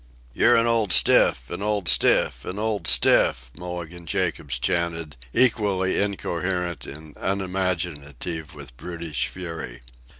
"You're an old stiff, an old stiff, an old stiff," Mulligan Jacobs chanted, equally incoherent and unimaginative with brutish fury.